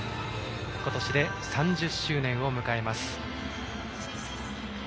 今年で３０周年を迎えます。